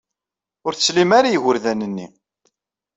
Ur teslim ara i yigurdan-nni.